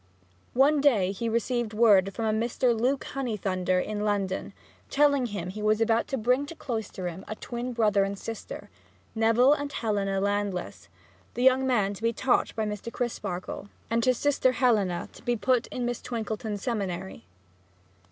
One day he received word from a Mr. Luke Honeythunder in London, telling him he was about to bring to Cloisterham a twin brother and sister, Neville and Helena Landless, the young man to be taught by Mr. Crisparkle and his sister Helena to be put in Miss Twinkleton's seminary.